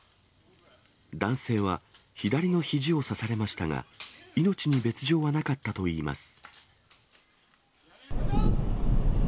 男性は、左のひじを刺されましたが、命に別状はなかったといいます。